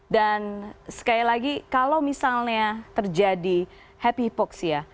dan sekali lagi kalau misalnya terjadi hep hipoksia